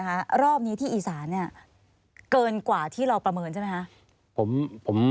คะรอบนี้ที่อีสานเนี่ยเกินกว่าที่เราประเมินใช่ไหมคะ